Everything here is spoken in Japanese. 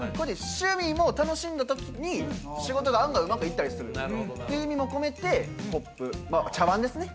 趣味も楽しんだ時に仕事が案外うまくいったりするっていう意味も込めてコップ茶碗ですね